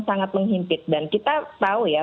sangat menghimpit dan kita tahu ya